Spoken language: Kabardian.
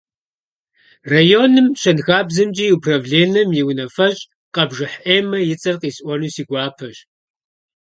Районым щэнхабзэмкӀэ и управленэм и унафэщӀ Къэбжыхь Эммэ и цӀэр къисӀуэну си гуапэщ.